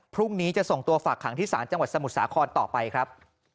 พรุ่งนี้จะส่งตัวฝากขังที่ศาลจังหวัดสมุทรสาครต่อไปครับ